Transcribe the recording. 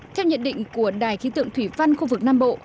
theo nhận định của đài khí tượng thủy văn khu vực nam bộ